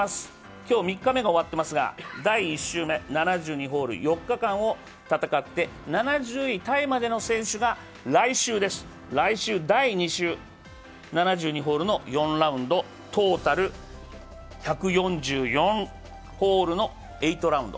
今日３日目が終わってますが７２ホール４日間を戦って７０位タイまでの選手が来週第２週、７２ホールの４ラウンド、トータル１４４ホールの８ラウンド。